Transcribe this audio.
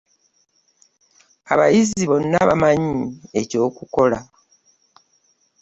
Abayizi bonna bamanyi eky'okukola.